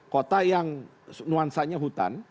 kota yang nuansanya hutan